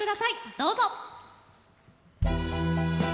どうぞ！